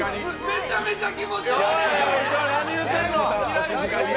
めちゃめちゃ気持ち悪！